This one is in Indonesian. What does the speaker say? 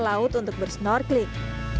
laut untuk bersnorkeling